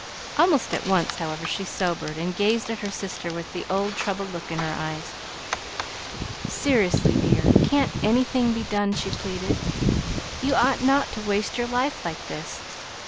Almost at once, however, she sobered and gazed at her sister with the old troubled look in her eyes. "Seriously, dear, can't anything be done?" she pleaded. "You ought not to waste your life like this.